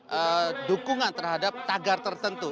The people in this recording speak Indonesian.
dan dukungan terhadap tagar tertentu